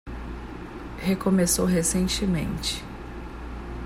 Recomeçou recentemente